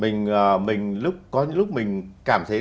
có những lúc mình cảm thấy